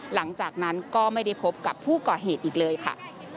หลังจากนั้นก็ไม่ได้พบกับผู้ก่อเหตุอีกเลยค่ะ